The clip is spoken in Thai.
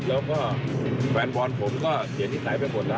แล้วก็แฟนบอร์ดผมก็เสียนิสัยเป็นผลล่ะ